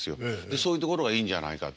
そういうところがいいんじゃないかと。